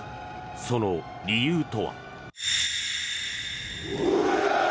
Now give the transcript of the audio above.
その理由とは。